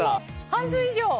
半数以上。